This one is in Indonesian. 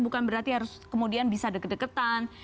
bukan berarti harus kemudian bisa deket deketan